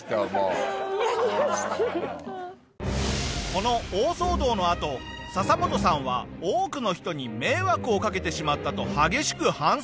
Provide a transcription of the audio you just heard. この大騒動のあとササモトさんは多くの人に迷惑をかけてしまったと激しく反省。